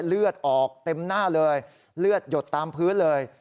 เลือดออกเต็มหน้าเลยเลือดหยดตามพื้นเลย